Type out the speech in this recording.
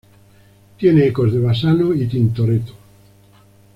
Tiene ecos de Bassano y Tintoretto.